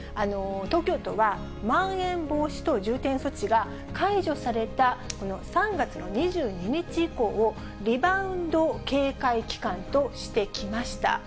東京都は、まん延防止等重点措置が解除されたこの３月の２２日以降を、リバウンド警戒期間としてきました。